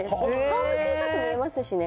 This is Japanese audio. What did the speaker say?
顔も小さく見えますしね。